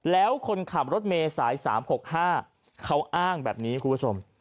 แล้วคนขับรถเมย์สาย๓๖๕เขาอ้างแบบนี้คุณผู้ชม